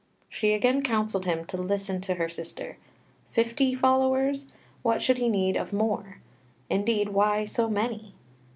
She again counselled him to listen to her sister. Fifty followers? What should he need of more? Indeed, why so many?